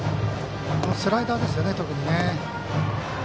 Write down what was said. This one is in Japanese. スライダーですよね特にね。